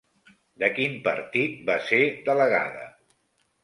De quin partit va ser delegada?